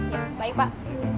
ya baik pak